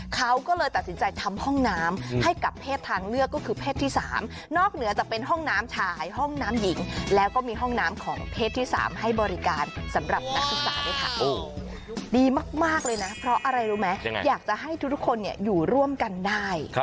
เขาก็เลยตัดสินใจทำห้องน้ำให้กับเพศทางเลือกก็คือเพศที่๓นอกเหนือจากเป็นห้องน้ำชายห้องน้ำหญิงแล้วก็มีห้องน้ำของเพศที่๓ให้บริการสำหรับนักศึกษาด้วยค่ะดีมากเลยนะเพราะอะไรรู้ไหมอยากจะให้ทุกคนอยู่ร่วมกันได้